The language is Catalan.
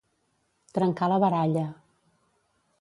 Trencar la baralla.